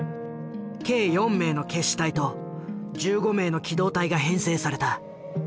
計４名の決死隊と１５名の機動隊が編成された。